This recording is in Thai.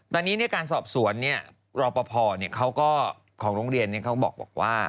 ตอนนี้ในการสอบสวนรอปภเขาก็ของโรงเรียนเขาบอกว่า